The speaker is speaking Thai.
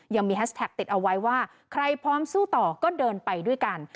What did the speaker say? แฮชแท็กติดเอาไว้ว่าใครพร้อมสู้ต่อก็เดินไปด้วยกัน